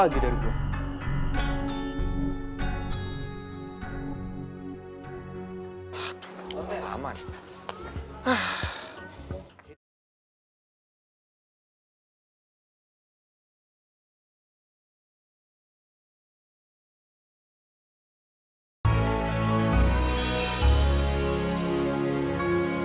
semoga selalu menerima seseori